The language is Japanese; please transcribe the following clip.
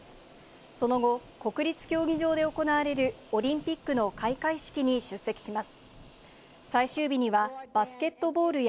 その後、国立競技場で行われるオリンピックの開会式に出席します。